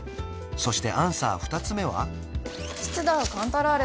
そしてアンサー２つ目は？